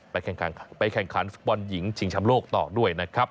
ไปแข่งขันฟุตบอลหญิงชิงชำโลกต่อด้วยนะครับ